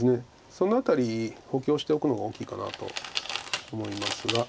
その辺り補強しておくのが大きいかなと思いますが。